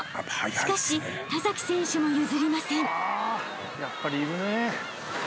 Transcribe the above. ［しかし田崎選手も譲りません］